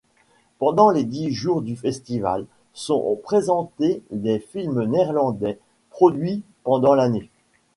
Pendant les dix jours du festival sont présentés les films néerlandais produits pendant l'année.